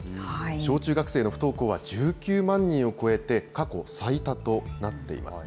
小中学生の不登校は１９万人を超えて、過去最多となっています。